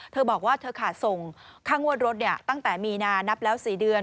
เธอบอกว่าเธอขาดส่งค่างวดรถตั้งแต่มีนานนับแล้ว๔เดือน